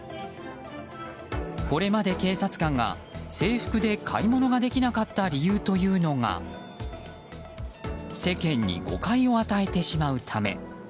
これまで警察官が制服で買い物をできなかった理由というのが世間に誤解を与えてしまうため。